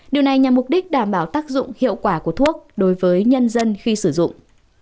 điều này nhằm mục đích đảm bảo tác dụng hiệu quả của thuốc đối với nhân dân khi sử dụng